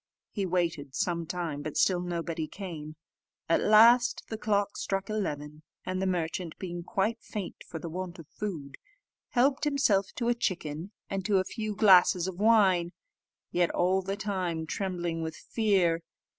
He waited some time, but still nobody came: at last the clock struck eleven, and the merchant, being quite faint for the want of food, helped himself to a chicken, and to a few glasses of wine, yet all the time trembling with fear.